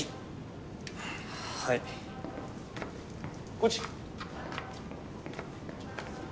こっち。